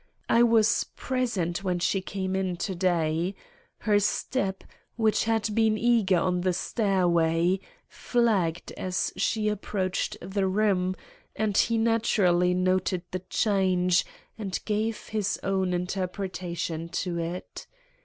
I was present when she came in to day. Her step, which had been eager on the stairway, flagged as she approached the room, and he naturally noted the change and gave his own interpretation to it.